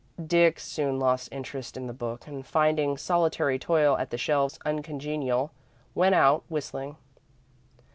Dick soon lost interest in the book, and finding solitary toil at the shelves uncongenial, went out, whistling.